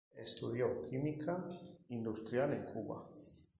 Estudió química industrial en Cuba.